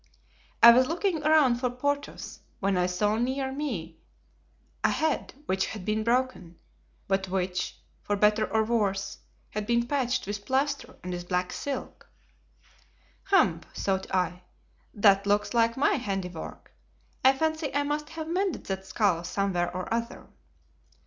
I was looking around for Porthos when I saw near me a head which had been broken, but which, for better or worse, had been patched with plaster and with black silk. 'Humph!' thought I, 'that looks like my handiwork; I fancy I must have mended that skull somewhere or other.